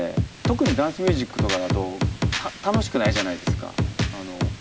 特にダンスミュージックとかだと楽しくないじゃないですかのれないと。